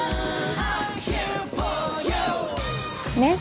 ねっ？